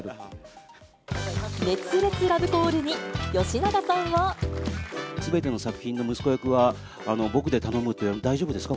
熱烈ラブコールに、吉永さんは。すべての作品の息子役は、僕で頼むって、大丈夫ですか？